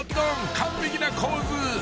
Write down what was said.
完璧な構図！